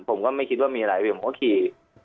ผมก็ไม่คิดว่ามีอะไรอยู่ผมก็ขี่